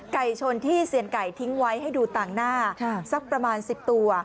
ชนที่เซียนไก่ทิ้งไว้ให้ดูต่างหน้าสักประมาณ๑๐ตัว